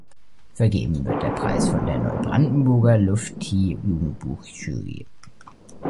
Vergeben wird der Preis von der Neubrandenburger Lufti-Jugendbuch-Jury.